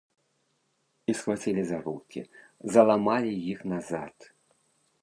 І схвацілі за рукі, заламалі іх назад.